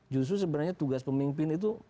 justru sebenarnya tugas pemimpin itu